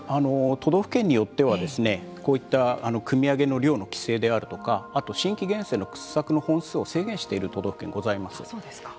都道府県によってはこういったくみ上げの量の規制であるとかあと新規源泉の掘削の本数を制限している都道府県がございます。